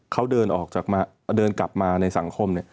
เขาเดินออกจากมาเดินกลับมาในสังคม